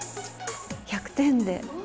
１００点で。